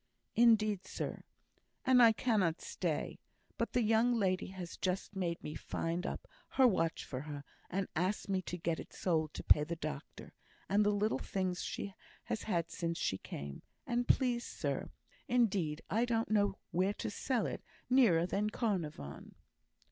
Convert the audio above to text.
"Indeed, sir, and I cannot stay; but the young lady has just made me find up her watch for her, and asked me to get it sold to pay the doctor, and the little things she has had since she came; and please, sir, indeed, I don't know where to sell it nearer than Carnarvon."